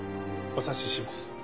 お察しします。